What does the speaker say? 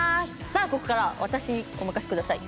さあここからは私にお任せください。